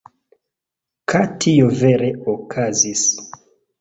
Ka tio vere okazis.